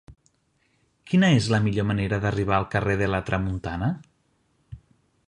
Quina és la millor manera d'arribar al carrer de la Tramuntana?